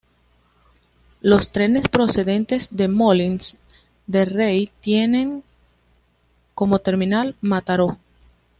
Los trenes procedentes de Molins de Rey tienen como terminal Mataró.